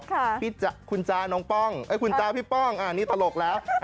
ค่ะพี่จ๊ะคุณจ้าน้องป้องคุณจ้าพี่ป้องอ่านี่ตลกแล้ว